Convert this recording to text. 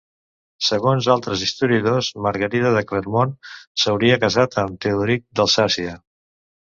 Segons altres historiadors Margarida de Clermont s'hauria casat amb Teodoric d'Alsàcia.